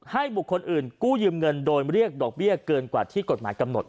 ให้บุคคลอื่นกู้ยืมเงินโดยเรียกดอกเบี้ยเกินกว่าที่กฎหมายกำหนด